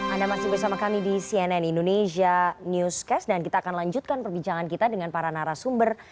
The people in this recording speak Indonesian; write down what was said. anda masih bersama kami di cnn indonesia newscast dan kita akan lanjutkan perbincangan kita dengan para narasumber